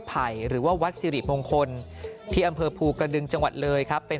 ไผ่หรือว่าวัดสิริมงคลที่อำเภอภูกระดึงจังหวัดเลยครับเป็น